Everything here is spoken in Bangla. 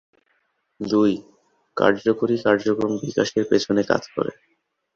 দুই, কার্যকরী কার্যক্রম বিকাশের পিছনে কাজ করে।